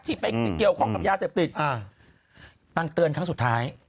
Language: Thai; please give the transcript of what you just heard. ไปเกี่ยวข้องกับยาเสพติดนางเตือนครั้งสุดท้าย